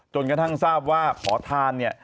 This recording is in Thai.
จนกระทั่งทราบว่าขอทานเนี่ย